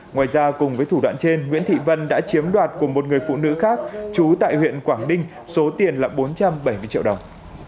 ngoài ra cùng với thủ đoạn trên nguyễn thị vân đã chiếm đoạt của một người phụ nữ khác chú tại huyện quảng ninh số tiền là bốn trăm bảy mươi triệu đồng